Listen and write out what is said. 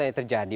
apa yang terjadi